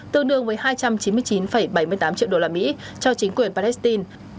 tương đương với hai trăm chín mươi chín bảy mươi tám triệu đô la mỹ cho chính quyền palestine